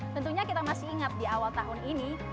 tentunya kita masih ingat di awal tahun ini